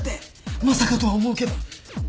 まさかとは思うけど。